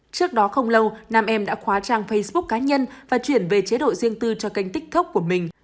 trước đó không lâu nam em đã khóa trang facebook cá nhân và chuyển về chế độ riêng tư cho kênh tiktok của mình